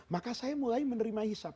maka saya mulai menerima hisap